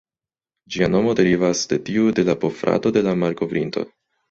Ĝia nomo derivas de tiu de la bofrato de la malkovrinto.